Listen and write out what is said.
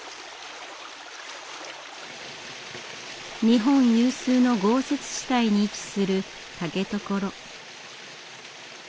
日本有数の豪雪地帯に位置する竹所。